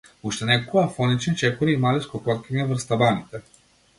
Уште неколку афонични чекори и мали скокоткања врз табаните.